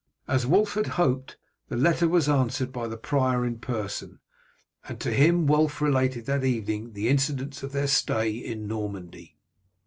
As Wulf had hoped, the letter was answered by the prior in person, and to him Wulf related that evening the incidents of their stay in Normandy.